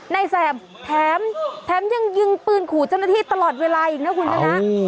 แสบแถมแถมยังยิงปืนขู่เจ้าหน้าที่ตลอดเวลาอีกนะคุณชนะ